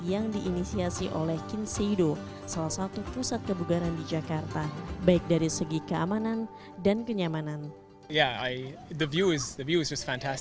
mungkin kita bisa melakukan latihan yang lebih sukar karena tidak terlalu panas